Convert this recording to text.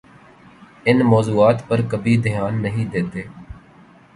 ان موضوعات پر کبھی دھیان نہیں دیتے؟